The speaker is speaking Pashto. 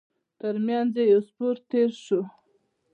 تر مينځ يې يو سپور تېر شو.